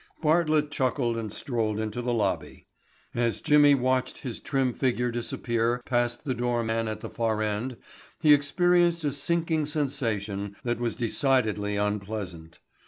Bartlett chuckled and strolled into the lobby. As Jimmy watched his trim figure disappear past the door man at the far end he experienced a sinking sensation that was decidedly unpleasant.